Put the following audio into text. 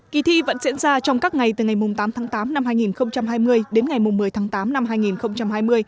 kỳ thi vẫn diễn ra trong các ngày từ ngày tám tháng tám năm hai nghìn hai mươi đến ngày một mươi tháng tám năm hai nghìn hai mươi